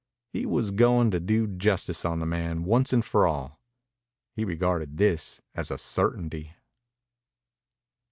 He was going to do justice on the man once for all. He regarded this as a certainty.